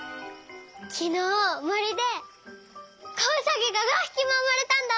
きのうもりでこうさぎが５ひきもうまれたんだって！